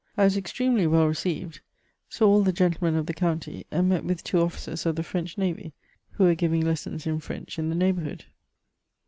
I was extremely well received, — saw all the gentlemen of the county, and met with two officers of the French navy, who were giving lessons in French in the neighbourhood.